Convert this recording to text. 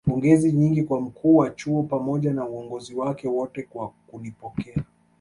pongezi nyingi kwa mkuu wa chuo pamoja na uongozi wake wote kwa kunipokea